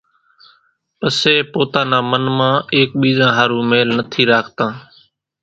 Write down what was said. پسي پوتا نا من مان ايڪ ٻيزا ۿارُو ميل نٿي راکتان